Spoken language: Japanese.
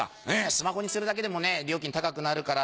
スマホにするだけでもね料金高くなるから